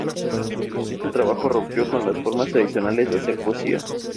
Este trabajo rompió con las formas tradicionales de hacer poesía.